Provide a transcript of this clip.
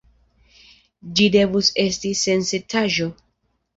Ĝi devus esti sensencaĵo.